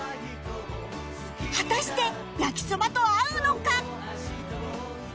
果たして焼きそばと合うのか？